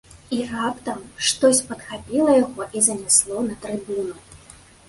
І раптам штось падхапіла яго і занясло на трыбуну.